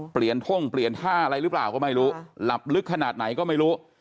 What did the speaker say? ท่งเปลี่ยนท่าอะไรหรือเปล่าก็ไม่รู้หลับลึกขนาดไหนก็ไม่รู้